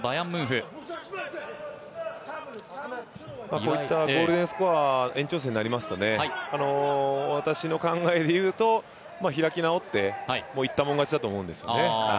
こういったゴールデンスコア、延長戦になりますと私の考え方だと開き直って、言ったもん勝ちだと思いますね。